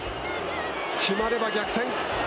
決まれば逆転。